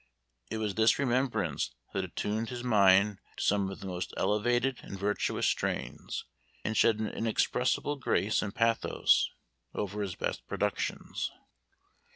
It was this remembrance that attuned his mind to some of its most elevated and virtuous strains, and shed an inexpressible grace and pathos over his best productions.